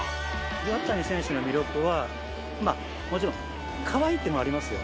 岩谷選手の魅力はもちろん可愛いっていうのもありますよ。